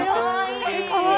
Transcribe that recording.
かわいい。